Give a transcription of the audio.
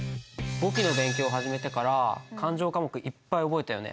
簿記の勉強を始めてから勘定科目いっぱい覚えたよね。